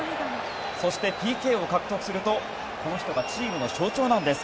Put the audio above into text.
そしてＰＫを獲得するとこの人がチームの象徴なんです